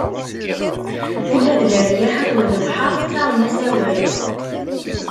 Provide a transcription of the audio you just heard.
Ula d leryaḥ akked lebḥeṛ ttaɣen-as awal!